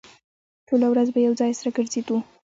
ټوله ورځ به يو ځای سره ګرځېدو.